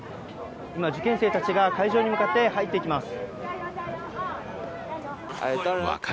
今、受験生たちが会場に向かって入っていきます。